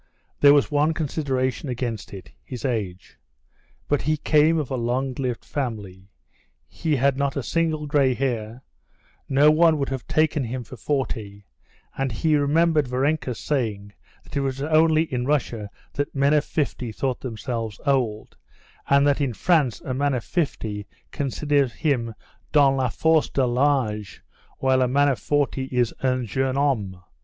There was one consideration against it—his age. But he came of a long lived family, he had not a single gray hair, no one would have taken him for forty, and he remembered Varenka's saying that it was only in Russia that men of fifty thought themselves old, and that in France a man of fifty considers himself dans la force de l'âge, while a man of forty is un jeune homme.